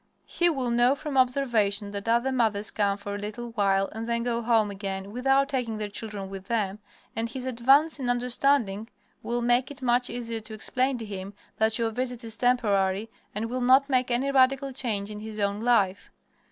He will know from observation that other mothers come for a little while and then go home again without taking their children with them, and his advance in understanding will make it much easier to explain to him that your visit is temporary and will not make any radical change in his own life.